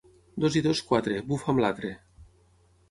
Dos i dos quatre, bufa'm l'altre.